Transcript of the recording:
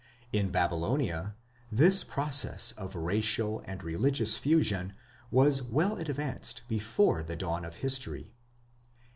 In Babylonia this process of racial and religious fusion was well advanced before the dawn of history.